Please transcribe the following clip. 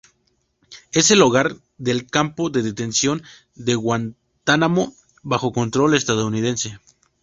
Es el hogar del campo de detención de Guantánamo, bajo control estadounidense.